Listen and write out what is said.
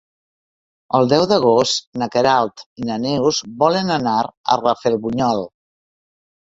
El deu d'agost na Queralt i na Neus volen anar a Rafelbunyol.